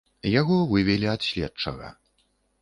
Яго вывелі ад следчага.